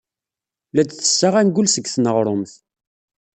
La d-tessaɣ angul seg tneɣrumt.